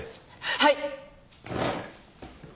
はい。